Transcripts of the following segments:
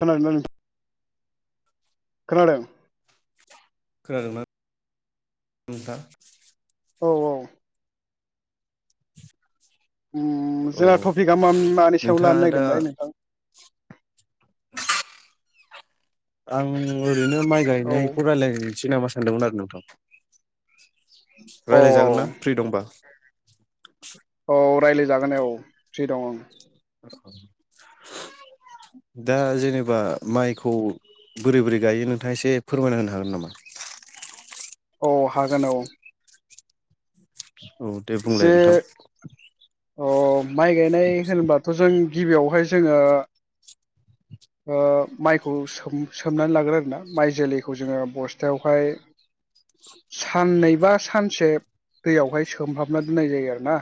खोनादों ना नों खोनादों खोनादोंना नों नोंथा? औ औ। ओम औ जोंहा टपिकआ मा मानि सायाव लानो नोंथाङा दा नागिरदोंमोनलाय नोंथां? आं ओ बेनो माइ औ गायनायखौ रायलायग्रोनोसै नामा? मोनदोंमोन आरो नोंथां। औ रायलायजागोनना फ्रि दंबा? [inaudible] औ रायलायजागोन दे औ फ्रि दं ओं। दा जेनेबा माइखौ बोरै बोरै गायो नोंथाङा एसे फोरमायनो होनो हागोन नामा? औ हागोन औ। औ दे बुंलाय जे नोंथां अ माइ गायनाय होनोबाथ' जों गिबियावहाय जोङो ओ माइखौ सोम-सोमनानै लाग्रो आरोना माइ जोलैखौ जोङो बस्थायावहाय साननैबा सानसे दैयावहाय सोमहाबना दोननाय जायो आरोना।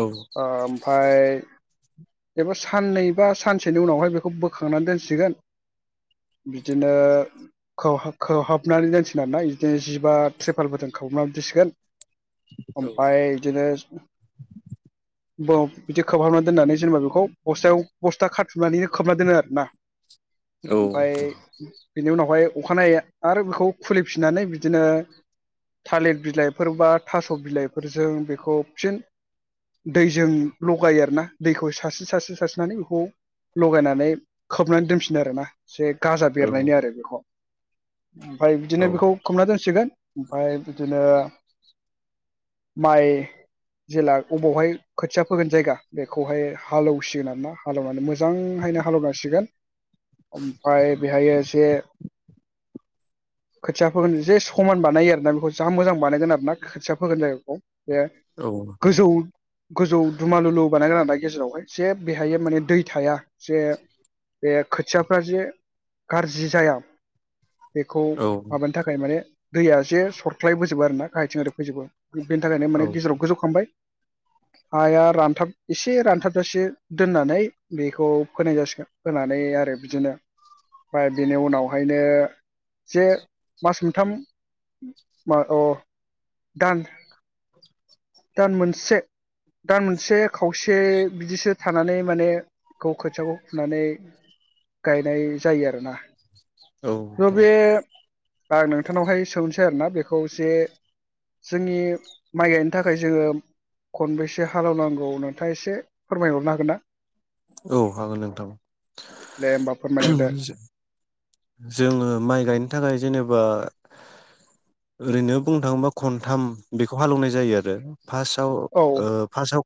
औ [inaudible] ओ फाय एबा साननै बा सानसेनि उनावहाय बेखौ बोखांनानै दोनसिगोन बिदिनो खोबहाब खोबहाबनानै दोनसिगोन आरोना बिदिनो जिबा ट्रिपाल फोरजों खोबहाबनानै दोनसिगोन। ओमफाय बिदिनो ब बिदि खोबहाबना दोननानै जेनेबा बेखौ बस्थायाव बस्था खाथुमनानैनो खोबना दोनो आरोना। औ ओमफाय बेनि उनाव अहाय अखानायै आरो बेखौ खुलिफिननानै बिदिनो थालिर बिलाइफोर बा थास' बिलाइफोरजों बेखौ फिन दैजों लगायो आरोना। दैखौ सास्रो-सास्रो-सास्रोनानै बेखौ लगायनानै खोबनानै दोनफिनो आरोना। एसे गाजा बेरनायनि औ आरो बेखौ। ओमफाय बिदिनो बेखौ औ खोबना दोनसिगोन ओमफाय बिदिनो माइ जेला अबावहाय खोथिया फोगोन जायगा बे खौहाय हालौसिगोन आरोना हालौनानै मोजांहायनो हालौनांसिगोन। ओमफ्राय बेहायो एसे खोथिया फोगोन जे समान बानायो आरो। दा बेखौ जा मोजां बानायगोन आरोना खोथिया फोगोन जायगाखौ। बे नोंथां गोजौ गोजौ दुमालुलु ना गोनांनि गेजेरावहाय जे बेहाय माने दै थाया जे बे खोथियाफ्रा जे गाज्रि जाया बेखौ औ माबानो थाखाय माने दैया एसे सरख्लायबोजोबो आरो ना। [unintelligible] फैजोबो बेनि थाखायनो औ माने गेजेराव गोजौ खामबाय। हाया रानथाब एसे रानथाबजासे दोननानै बेखौ फोनाय जासिगोन फोनानै आरो बिदिनो ओमफ्राय बेनि उनावहायनो जे मास मोनथाम अ दान दान मोनसे दान मोनसे खावसे बिदिसो थानानै माने गाव खोथियाखौ फुनानै गायनाय जायो आरोना। औ ओ नोंथां बे आं नोंथांनावहाय सोंनोसै आरोना। बेखौ जे जोंनि माइ थाखाय जोङो खनबैसे हालौनांगौ नोंथाङा एसे फोरमायहरनो हागोन ना? औ हागोन नोंथां दे होमबा फोरमायना जोङो माइ गायनो नि थाखाय जेनेबा ओरैनो बुंनो थाङोबा खनथाम बेखौ हालौवनाय जायो आरो। फार्स्टआव होदो औ ओ फार्स्टआव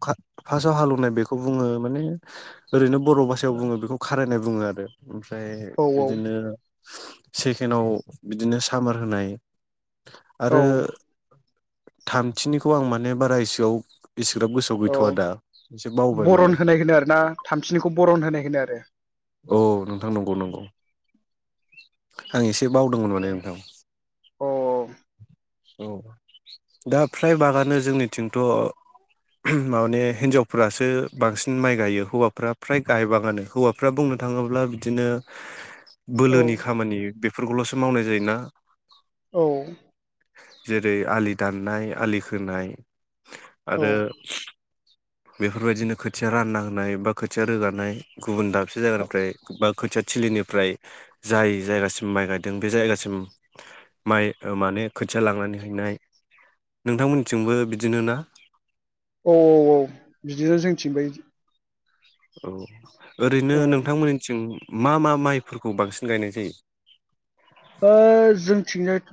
फार्स्टआव हालेवनाय बेखौ बुङो माने ओरैनो बर' भाषायाव बुङो बेखौ खारायनाय बुङो आरो ओमफ्राय औ बिदिनो सेकेनआव बिदिनो सामार होनाय औ आरो थामथिनिखौ आं माने बारायसोआव इसेग्राब गोसोआव गैथआ औ दा एसे बावबाय माने। थामसिनिखौ बरन होनाय होनो आरो। औ नों थां नंगौ नंगौ। आं एसे एसे बावदोंमोन माने अ नोंथां। औ औ दा फ्राय बागानो जोंनिथिंथ माने हिनजावफोरासो बांसिन माइ गायो हौवाफ्रा फ्राय गायबाङानो हौवा फोरा बुंनो थाङोब्ला बिदिनो औ बोलोनि खामानि बे बेफोरखौलसो मावनाय जायोना औ। जेरै आलि दाननाय आलि खोनाय आरो बेफोरबायदिनो खोथिया राननांनाय होनाय बा खोथिया रोगानाय गुबुन दा थुजाग्रानिफ्राय बाग खोथिया थिलिनिफ्राय जाय जायगासिम माइ गायदों बे जायगासिम माइ माने खोथिया लांनानै हैनाय नोंथांमोननिथिंबो बिदिनो ना? औ औ औ बिदिनो जोंनिथिंबो इदि औ। ओरैनो नोंथांमोननिथिं मा मा माइफोरखौ बांसिन गायनाय जायो? ओ जोंथिं जायथ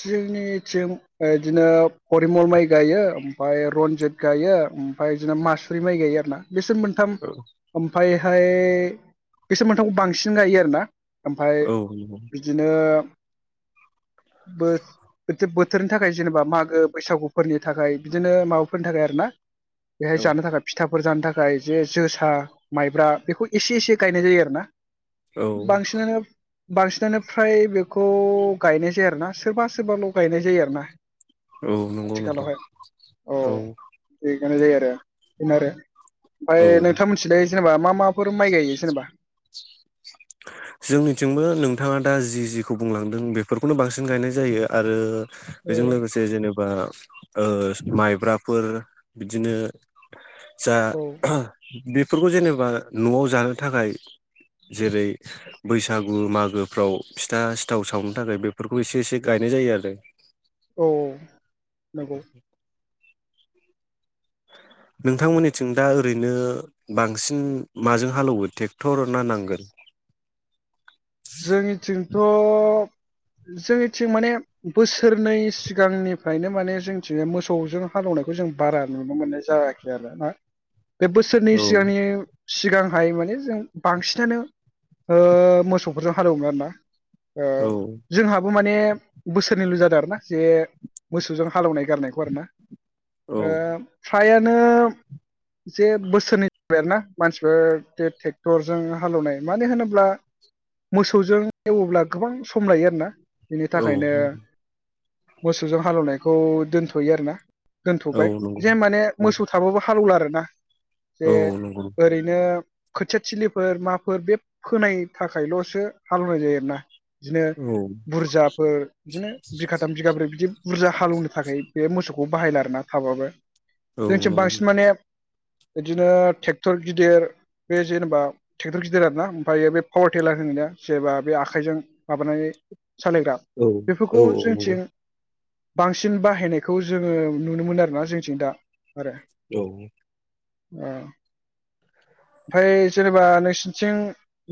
जोंनिथिं इदिनो परिमल माइ गायो ओमफाय रनजित गायो ओमफाय इदिनो मासुरि माइ गायो आरो ना। बेसोर मोनथाम, ओमफ्राय ओमफ्राय बिसोर मोनथामखौ बांसिन गायो आरोना ओमफाय। औ बिदिनो बोथोरनि थाखाय जेनेबा मागो बैसागुफोरनि थाखाय बिदिनो माबाफोरनि थाखाय आरो ना बेहाय औ जानो थाखाय फिथा फोर जानो थाखाय जे जोसा, माइब्रा बेखौ एसे एसे गायनाय जायो आरो ना। औ बांसिनानो बांसिनानो फ्राय बेखौ गायनाय जाया आरोना सोरबा सोरबाल गायनाय जायो आरो ना औ नंगौ नोंथां औ [unintelligible] ओमफ्राय औ नोंथं लाय जेनेबा मा माफोर माइ गायो जेनेबा? जोंनिथिंबो नोंथाङा दा जि जिखौ बुंलांदों बेफोरखौनो बांसिन गायनाय जायो आरो ओ बेजों लोगोसे जेनेबा ओ माइब्राफोर बिदिनो जा औ बेफोरखौ जेनेबा नआव जानो थाखाय। जेरै बैसागु मागोफ्राव फिथा सिथाव सावनो थाखाय बेफोरखौ एसे एसे गायनाय जायो आरो औ नंगौ [unintelligible] नोंथांमोननिथिं दा ओरैनो बांसिन माजों हालौवो ट्रेक्टर ना नांगोल? जोंनिथिं थ' जोंनिथिं माने बोसोरनै सिगांनिफ्रायनो माने जोंनिथिं मोसौजों हालौनायखौ जों बारा नुनो मोननाय जायाखै आरो ना। बे बोसोरनै औ सिगां सिगांहाय माने जों बांसिनानो ओ मोसौ बेफोरजों हालेवोमोन आरो ना ओ औ जोंहा माने बोसोरनैल जादों आरो ना जे मोसौजों हालौनाय गारनायखौ आरोना फ्रायानो बिदिनो जे बोसोरनै जाबाय आरोना मानसिफोर बे ट्रेक्टरजों हालेवनाय मानो होनोब्ला मोसौजों एवोब्ला गोबां सम लायो आरोना बिनि औ थाखायनो औ मोसौजों हालेवनायखौ दोनथयो आरो ना औ दोनथबाय जे माने नंगौ मोसौ थाबाबो हालौला आरोना जे औ नंगौ ओरैनो खोथियाथिलिफोर माफोर बे फोनाय थाखायलसो हालेवनाय जायो आरोना। बिदिनो औ बुरजाफोर बिदिनो बिगाथाम बिगाब्रै बिदि। बुरजा हालेवनो थाखाय बे मोसौखौ बाहायला आरोना थाबाबो। औ जोंथिं नंगौ बांसिन माने बिदिनो ट्रेक्टर गिदिर बे जेनेबा ट्रेक्टर गिदिर आरोना ओमफ्रायायो बे पावार टेलार होनोना जेब्ला बे आखाइजों माबानानै सालायग्रा औ बेफोरखौ औ नंगौ जोंथिं बांसिन बाहायनायखौ जोङो नुनो मोनो आरोना जोंथिं दा आरो। औ। औ ओमफ्राय जेनेबा नोंसिनिथिं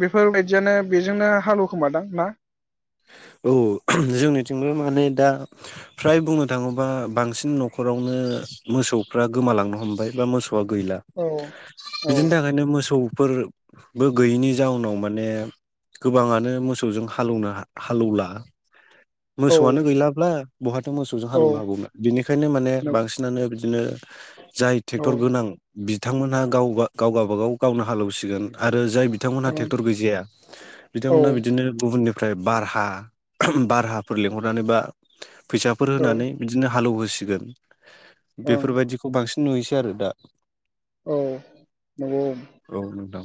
बेफोरबायदियानो बेजोंनो हालवखोमादां ना औ जोंनिथिंबो माने दा फ्राय बुंनो थाङोबा बांसिन नखरावनो मोसौफ्रा गोमालांनो हमबाय बा मोसौ गैला औ औ बिदिनि थाखायनो मोसौ फोरबो गैयिनि जाउनाव माने गोबाङानो मोसौजों हालौवनो हा हालौला औ मोसौआनो गैलाब्ला बहाथो मोसौजों औ हालेवनो हाबावनो बिनिखायनो माने नों बांसिनानो बि बिदिनो जाय औ ट्रेक्टर गोनां बि बिथांमोनहा गाव गाव गावाबागाव गावनो हालौसिगोन आरो। आरो जाय बिथांमोनहा ओं ट्रेक्टर गैजाया औ बिथांमोनहा बिदिनो गुबुननि ओमफ्राय भारहा भारहा फोर लिंहरनानै बा फैसाफोर औ होनानै बिदिनो हालौव हो होसिगोन। ओं बेफोरबायदिखौ बांसिन नुयोसै आरो दा औ नंगौ। औ नोंथां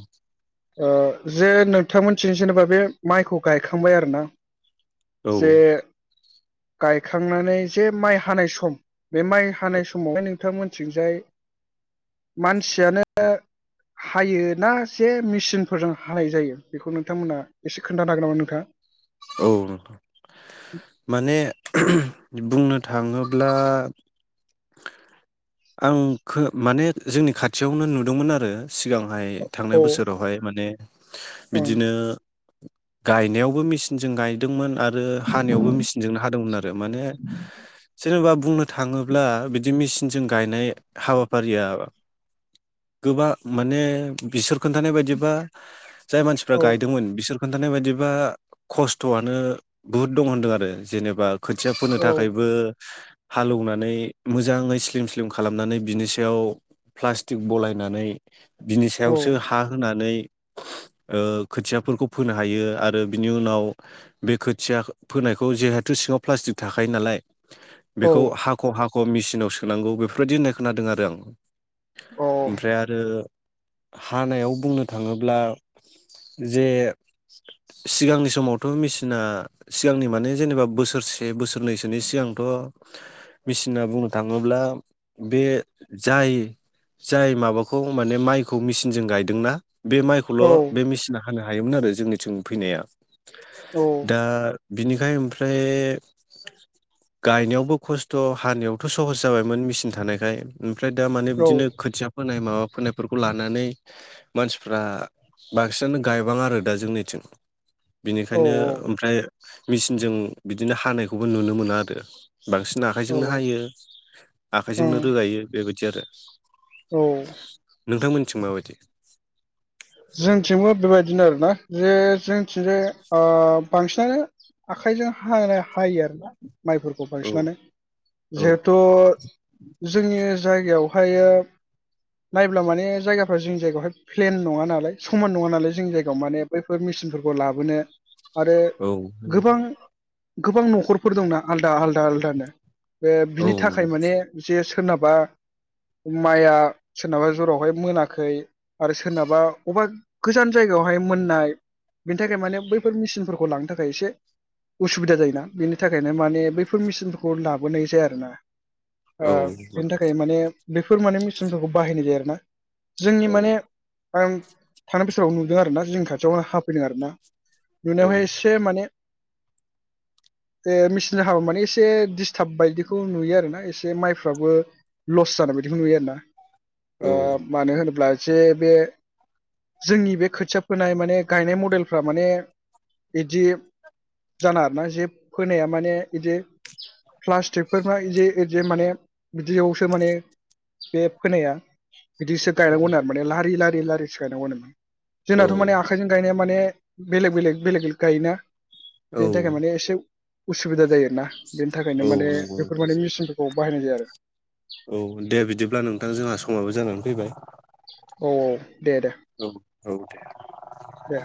ओ जे नों थांमोनथिं जेनेबा बे माइखौ गायखांबाय आरोना? औ जे गायखांनानै जे माइ हानाय सम बे माइ हानाय समावहाय नोंथां मोनथिंजाय मानसियानो हायोना जे मे सिनफोरजों हानाय जायो बेखौ नोंथांमोना एसे खोन्थानो हागोन नामा नोंथां? औ नोंथां माने बुंनो थाङोब्ला आं माने जोंनि खाथियावनो नुदोंमोन आरो। सिगांहाय थांनाय औ बोसोरावहाय माने ओं बिदिनो गायनायावबो मिसिन जों गायदोंमोन आ ओ हानायावबो मिसिनजों हादोंमोन आरो माने जेनेबा बुंनो थाङोब्ला बिदि मेसिनजों गायनाय, हाबारिया गोबां माने बिसोर खोन्थानाय बायदिबा जाय मानसिफ्रा औ गायदोंमोन बिसोर खोन्थानाय बायदिबा खस्थआनो बुहुद दं होनदों आरो जेनेबा, खोथिया फोनो औ थाखायबो हालेवनानै मोजाङै स्लिम स्लिम खालामनानै बिनि सायाव प्लास्टिक बलायनानै बिनि सायावसो हा होनानै ओ खोथियाफोरखौ फोनो हायो आरो बिनि उनाव बे खोथिया फोनायखौ जेहेथु सिङाव प्लास्टिक थाखायो नालाय बेखौ हाख' हा मेसिनाव सोनांगौ बेफोरबायदि होननाय खोनादों आरो आं। ओमफ्राय आरो हानायाव बुंनो थाङोब्ला जे सिगांनि समावथ' मेसिना सिगांनि माने जेनेबा बोसोरसे बोसोरनैसोनि सिगांथ'मेसिना बुंनो थाङोब्ला बे जाय जाय माबाखौ माने माइखौ मेसिनजों गायदोंना बे माइखौल' बे मेसिना हानो हायोमोन आरो जोंनि थिं फैनाया दा बिनिखाय ओमफ्राय गायनायावबो खस्थ हानायावथ सहस जाबायमोन मेसिन थानायखाय। ओमफ्राय दा माने बिदिनो खोथिया फोनाय माबा फोनायफोरखौ लानानै मानसिफ्रा बांसिनानो गायबांङा आरो दा जोंनिथिं। बेनिखायनो ओमफ्राय मेसिनजों बिदिनो हानायखौबो नुनो मोनो आरो। बांसिन आखाइजोंनो हायो, आखाइजोंनो रोगायो बेबायदि आरो। [inaudible] औ नोंथांमोननिथिं माबायदि? जोंथिंबो बेबायदिनो आरोना। जे जोंथिंजाय ओ बांसिनानो आखाइजों हानाय, हायो आरोना। माइफोरखौ औ बांसिनानो औ जिहेथु जोंनि जायगायाव, ओमफ्रायो नायब्ला माने जायगाफ्रा जोंनि जायगायावहाय प्लेन नङा ना। समान नङा नालाय जोंनि जायगायाव माने बैफोर मेचिनफोरखौ लाबोनो आरो औ नंगौ गोबां गोबां नखरफोर दंना आलदा आलदा आलदानो। बे औ बिनि थाखाय नंगौ माने जे सोनाब बा माइआ सोरनाबा जरावहाय मोनाखै आरो सोरनाबा अबा गोजान जायगायावहाय मोननाय बेनि थाखाय माने बैफोर मेचिनफोरखौ लांनो थाखाय एसे उसुबिदा जायोना बेनि थाखायनो माने बैफोर मेचिनफोरखौ लाबोनाय जाया आरोना। ओ औ नंगौ बेनि थाखाय माने बि फोर माने मेचिनफोरखौ बाहायनाय जायो आरोना। जोंनि औ माने आं थानाय बोसोराव नुदों आरो ना जोंनि खाथियावनो हाफैदों आरो ना औ नुनायावहाय एसे माने बे मेचिन हाबा माने एसे डिस्टार्ब बायदिखौ नुयो आरो ना एसे माइफ्राबो लस जानाय बायदिखौ नुयो आरो ना। ओ मानो होनोब्ला जे बे जोंनि बे खोथिया फोनाय माने गायनाय मडेलफ्रा माने बिदि जानाङा आरोना जे फोनाया माने बिदि प्लास्टिकफोरना बिदि बिदि माने बिदियावसो माने बे फोनाया बिदिसो गायनांगौ आरो माने लारि लारि बे लारि सिखायनांगौ होनोमोन जोंनाथ माने औ आखाइजों गायनाया माने बेलेग बेलेग बेलेग बेलेग गायोना। औ बेनि थाखाय माने एसे उ उसुबिदा जायो आरोना बेनि थाखायनो औ माने नंगौ बेफोर बादि मेचिनफोरखौ बाहायनाय जाया आरो औ दे बिदिब्ला नोंथां जोंहा समाबो जानानै फैबाय औ औ। दे दे औ औ दे दे।